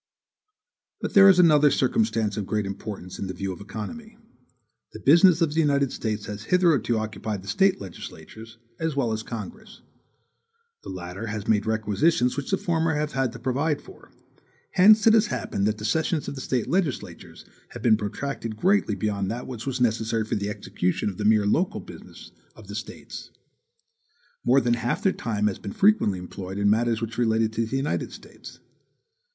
But there is another circumstance of great importance in the view of economy. The business of the United States has hitherto occupied the State legislatures, as well as Congress. The latter has made requisitions which the former have had to provide for. Hence it has happened that the sessions of the State legislatures have been protracted greatly beyond what was necessary for the execution of the mere local business of the States. More than half their time has been frequently employed in matters which related to the United States.